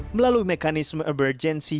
melalui mekanisme uber complejansi